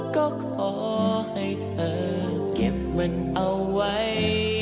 ก็ขอให้เธอเก็บมันเอาไว้